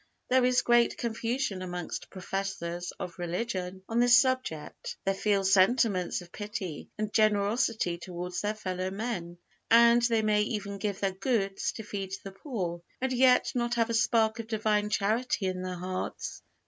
There is great confusion amongst professors of religion on this subject. They feel sentiments of pity and generosity towards their fellow men, and they may even give their goods to feed the poor, and yet not have a spark of Divine Charity in their hearts.